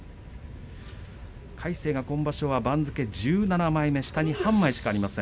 魁聖が今場所は１７枚目下に半枚しかありません。